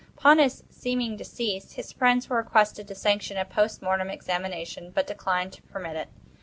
Upon his seeming decease, his friends were requested to sanction a post mortem examination, but declined to permit it.